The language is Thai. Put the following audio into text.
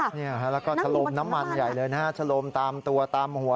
แล้วก็ทะลมน้ำมันใหญ่เลยนะฮะชะลมตามตัวตามหัว